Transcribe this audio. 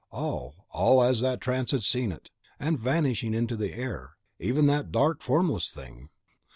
all all as that trance had seen it; and, vanishing into air, even that dark, formless Thing!